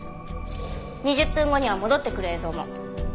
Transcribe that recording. ２０分後には戻ってくる映像も。